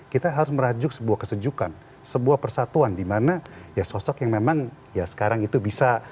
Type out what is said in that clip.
kita harus merajuk sebuah kesejukan sebuah persatuan dimana ya sosok yang memang ya sekarang itu bisa